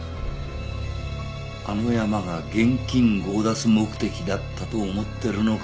あのヤマが現金強奪目的だったと思ってるのか？